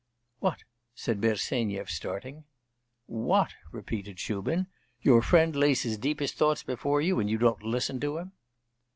'What?' said Bersenyev, starting. 'What!' repeated Shubin. 'Your friend lays his deepest thoughts before you, and you don't listen to him.